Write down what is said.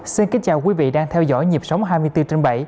xin kính chào quý vị đang theo dõi nhịp sống hai mươi bốn trên bảy